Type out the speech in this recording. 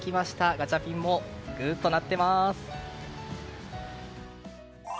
ガチャピンもぐっと鳴っています。